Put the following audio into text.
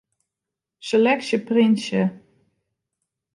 Seleksje printsje.